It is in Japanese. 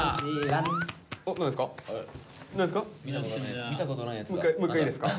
何ですか？